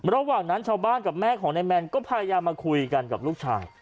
ระหว่างนั้นชาวบ้านกับแม่ของนายแมนก็พยายามมาคุยกันกับลูกชาย